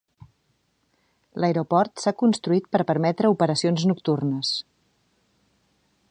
L'aeroport s'ha construït per a permetre operacions nocturnes.